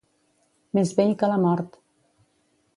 Més vell que la mort.